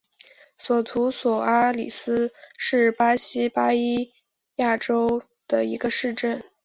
索图索阿里斯是巴西巴伊亚州的一个市镇。